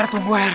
rr tunggu rr